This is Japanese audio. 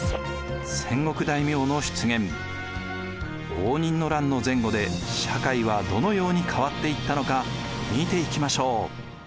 応仁の乱の前後で社会はどのように変わっていったのか見ていきましょう。